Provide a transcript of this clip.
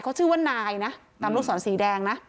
เขาชื่อว่านายนะตามลูกศรสีแดงนะ